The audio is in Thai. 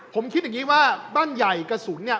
ผมคิดอย่างนี้ว่าบ้านใหญ่กระสุนเนี่ย